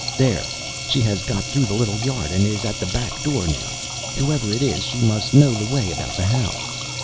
There, she has got through the little yard, and is at the back door now. Whoever it is, she must know the way about the house.